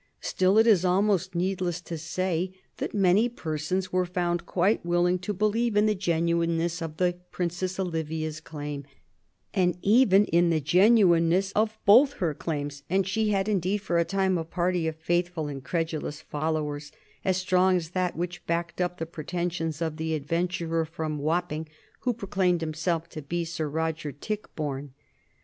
Still, it is almost needless to say that many persons were found quite willing to believe in the genuineness of the Princess Olivia's claim, and even in the genuineness of both her claims, and she had indeed, for a time, a party of faithful and credulous followers as strong as that which backed up the pretensions of the adventurer from Wapping who proclaimed himself to be Sir Roger Tichborne.